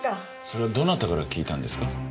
それはどなたから聞いたんですか？